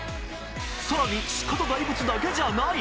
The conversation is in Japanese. さらに鹿と大仏だけじゃない？